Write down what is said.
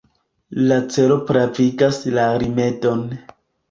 La celo pravigas la rimedon.